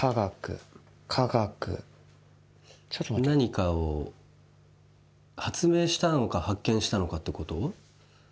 何かを発明したのか発見したのかってこと？